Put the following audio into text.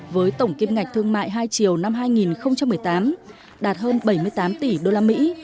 với tổng kiếm ngạch thương mại hai triều năm hai nghìn một mươi tám đạt hơn bảy mươi tám tỷ usd